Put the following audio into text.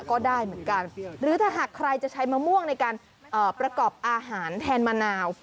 ก็ได้เหมือนกันหรือถ้าหากใครจะใช้มะม่วงในการประกอบอาหารแทนมะนาว